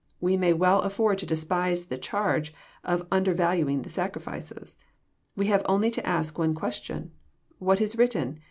We may well afford to despise the charge of un dervaluing the sacraments. We have only to ask one question: "What is written?